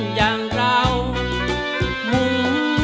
ในรายการร้องได้ให้ร้านลูกทุ่งสู้ชีวิต